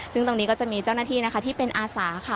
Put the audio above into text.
ซึ่งตรงนี้ก็จะมีเจ้าหน้าที่นะคะที่เป็นอาสาค่ะ